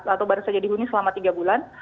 atau baru saja dihuni selama tiga bulan